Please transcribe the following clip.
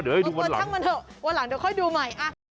เดี๋ยวให้ดูวันหลังโดดทั้งมันเถอะวันหลังเดี๋ยวค่อยดูใหม่